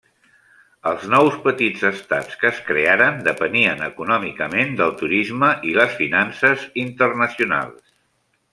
Els nous petits estats que es crearen depenien econòmicament del turisme i les finances internacionals.